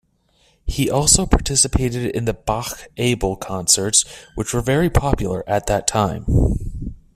He also participated in the Bach-Abel Concerts which were very popular at that time.